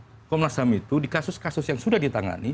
jadi komnas ham itu dikasus kasus yang sudah ditangani